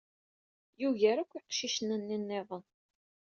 Yugar akk iqcicen-nni niḍen.